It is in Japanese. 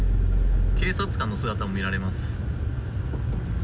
警察官の姿も見られます。